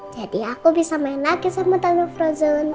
jadi aku bisa main lagi sama tante frozen